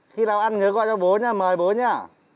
khi nào ăn nhớ gọi cho bố nha mời bố nha